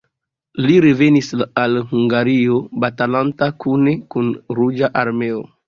Li revenis al Hungario batalanta kune kun Ruĝa Armeo.